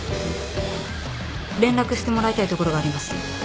連絡してもらいたい所があります。